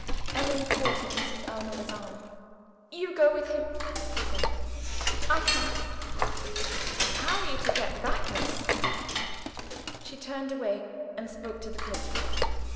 Emily caught at Mrs. Ellmother's arm. "You go with him," she said. "I can't." "How are you to get back, miss?" She turned away and spoke to the coachman.